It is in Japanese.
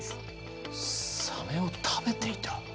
サメを食べていた？